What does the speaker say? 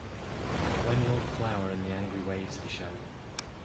When will The Flower and the Angry Waves be showing?